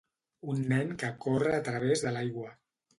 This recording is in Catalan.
Un nen que corre a través de l'aigua